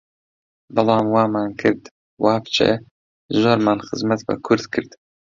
بەڵام وامان کرد، وا بچێ، زۆرمان خزمەت بە کورد کرد